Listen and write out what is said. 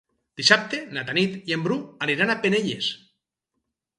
Dissabte na Tanit i en Bru aniran a Penelles.